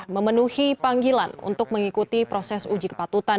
memenuhi panggilan untuk mengikuti proses uji kepatutan